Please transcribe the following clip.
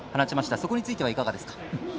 そこについてはいかがですか？